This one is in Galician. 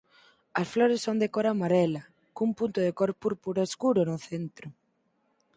As flores son de cor amarela cun punto de cor púrpura escuro no centro.